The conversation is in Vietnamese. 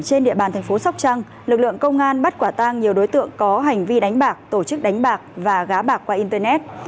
trên địa bàn thành phố sóc trăng lực lượng công an bắt quả tang nhiều đối tượng có hành vi đánh bạc tổ chức đánh bạc và gá bạc qua internet